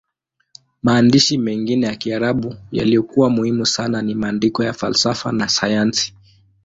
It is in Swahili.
Maandishi mengine ya Kiarabu yaliyokuwa muhimu sana ni maandiko ya falsafa na sayansi.